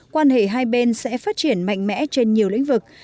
quan hệ hai bên sẽ phát triển mạnh mẽ trên nhiều lĩnh vực